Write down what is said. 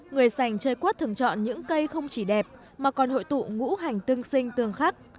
người sành chơi quất thường chọn những cây không chỉ đẹp mà còn hội tụ ngũ hành tương sinh tương khắc